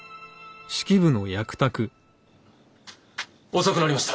遅くなりました。